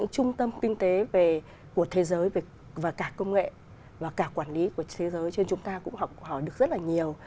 trung tâm kinh tế của thế giới và cả công nghệ và cả quản lý của thế giới cho nên chúng ta cũng học hỏi được rất là nhiều